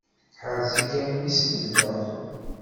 Ḥerz-ik a mmi s lebda.